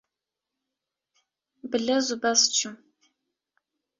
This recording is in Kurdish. bi lez û bez çûm